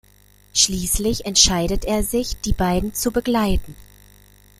Schließlich entscheidet er sich, die beiden zu begleiten.